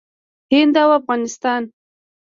هند او افغانستان